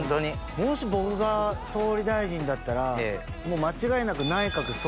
もし僕が総理大臣だったら間違いなく。